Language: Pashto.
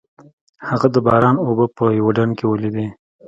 هغه د باران اوبه په یوه ډنډ کې ولیدې.